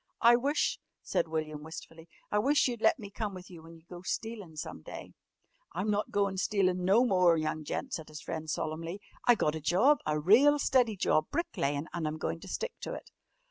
"I wish," said William wistfully, "I wish you'd let me come with you when you go stealin' some day!" "I'm not goin' stealin' no more, young gent," said his friend solemnly. "I got a job a real steady job brick layin', an' I'm goin' to stick to it."